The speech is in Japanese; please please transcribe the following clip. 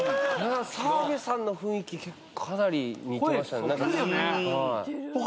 澤部さんの雰囲気かなり似てましたね。